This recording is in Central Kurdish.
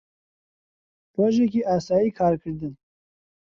ڕۆژێکی ئاسایی کارکردن